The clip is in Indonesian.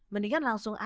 mendingan langsung aja